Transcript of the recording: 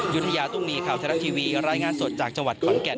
ยุธยาตุ้มีข่าวไทยรัฐทีวีรายงานสดจากจังหวัดขอนแก่น